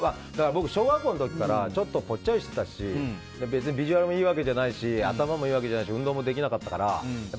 僕、小学校の時からちょっとぽっちゃりしてたし別にビジュアルもいいわけじゃないし頭もいいわけじゃないし運動もできなかったから。